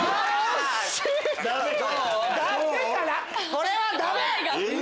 これはダメ！